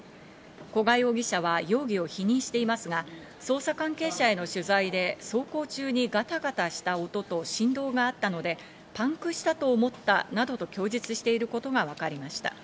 古賀容疑者は容疑を否認していますが、捜査関係者への取材で走行中にガタガタした音と振動があったので、パンクしたと思ったなどと供述していることがわかりました。